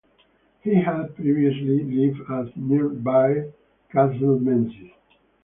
He had previously lived at nearby Castle Menzies.